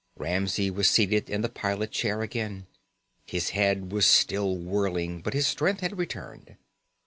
Ramsey was seated in the pilot chair again. His head was still whirling but his strength had returned.